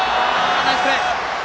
ナイスプレー！